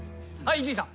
伊集院さん。